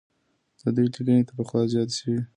د دوی ليکنې تر پخوا زياتې سوې.